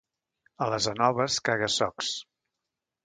A les Anoves, caga-socs.